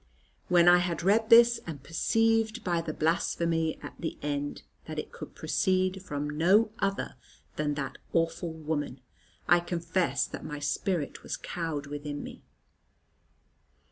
When I had read this, and perceived, by the blasphemy at the end, that it could proceed from no other than that awful woman, I confess that my spirit was cowed within me.